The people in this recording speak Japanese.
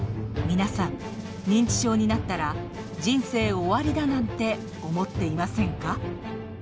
皆さん認知症になったら人生終わりだなんて思っていませんか？